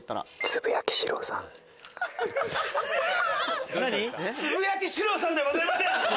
つぶやきシローさんではございません！